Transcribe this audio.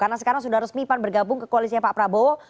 karena sekarang sudah resmi pan bergabung ke koalisnya pak prabowo